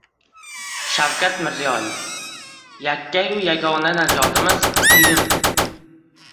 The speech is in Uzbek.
Shavkat Mirziyoyev: Yakkayu yagona najotimiz – ilm